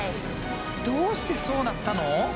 どうしてそうなったの！？